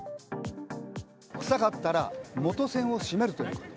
臭かったら元栓を閉めるということ。